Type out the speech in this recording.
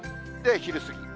昼過ぎ。